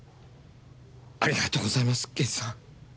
ありがとうございます刑事さん。